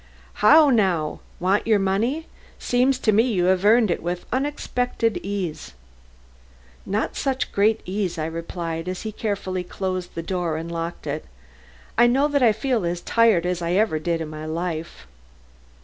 "How now! Want your money? Seems to me you have earned it with unexpected ease." "Not such great ease," I replied, as he carefully closed the door and locked it "I know that I feel as tired as I ever did in my life.